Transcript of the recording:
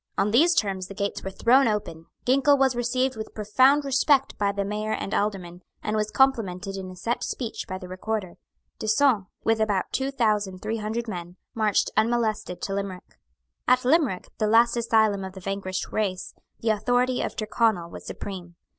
On these terms the gates were thrown open. Ginkell was received with profound respect by the Mayor and Aldermen, and was complimented in a set speech by the Recorder. D'Usson, with about two thousand three hundred men, marched unmolested to Limerick. At Limerick, the last asylum of the vanquished race, the authority of Tyrconnel was supreme.